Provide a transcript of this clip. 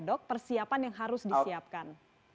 dok persiapan yang harus disiapkan